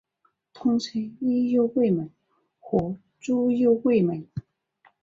通称伊又卫门或猪右卫门。